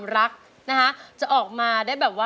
ร้องเข้าให้เร็ว